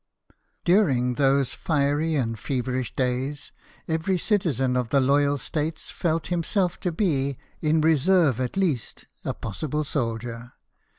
During those fiery and feverish days, every citizen of the loyal states felt himself to be, in reserve at least, a possible soldier.